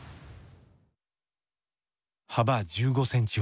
幅１５センチほど。